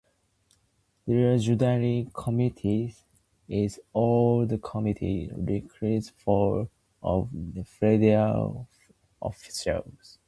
The Judiciary Committee is also the committee responsible for impeachments of federal officials.